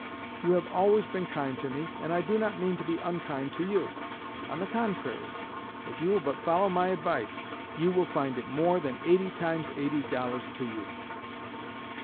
You have always been kind to me, and I do not mean to be unkind to you. On the contrary, if you will but follow my advice, you will find it worth more than eighty times eighty dollars to you.